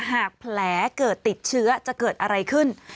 หากแผลเกิดติดเชื้อจะเกิดอะไรขึ้น